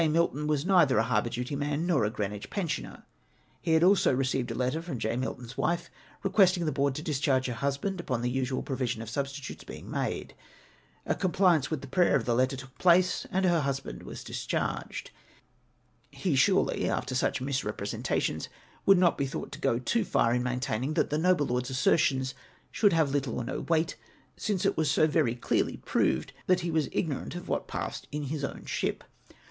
Milton was neither a harbour duty man nor a Green wich pensioner ? .He had also received a letter from J. Milton's wife requesting the Board to discharge her husband upon the usual provision of substitutes being made. A compliance with the prayer of the letter took place, and her husband was discharged. He surely, after such misrepre sentations, would not be thought to go too far in maintaining that the noble lord's assertions should have little or no weight, since it was so very clearly proved that he was ignorant of what passed in his own ship.